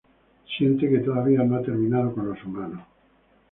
Siente que todavía no ha terminado con los humanos.